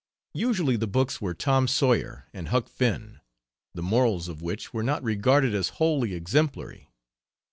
Usually the books were Tom Sawyer and Huck Finn, the morals of which were not regarded as wholly exemplary.